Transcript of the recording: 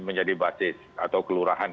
menjadi basis atau kelurahan